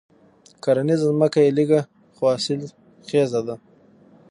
کرنيزه ځمکه یې لږه خو حاصل خېزه ده.